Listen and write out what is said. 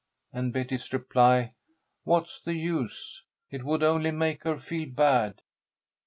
and Betty's reply, "What's the use? It would only make her feel bad."